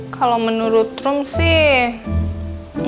kalau menurut rung sih